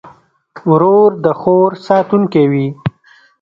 ورور د خور ساتونکی وي.